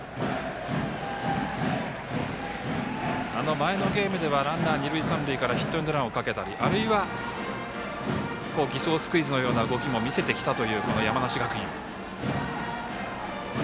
前のゲームではランナー、二塁三塁からヒットエンドランをかけたりあるいは偽装スクイズのような動きも見せてきたというこの山梨学院。